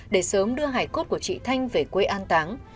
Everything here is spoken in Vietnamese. để sớm đưa hải cốt của chị thanh về quê an táng